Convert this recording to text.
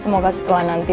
semoga setelah nanti